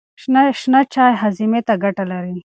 شنه چای هاضمې ته ګټه لري.